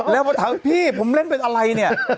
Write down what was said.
แล้วพอถามพี่ผมเล่นเป็นอะไรเนี่ย